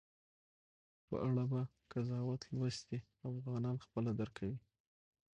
په اړه به قضاوت لوستي افغانان خپله درک وي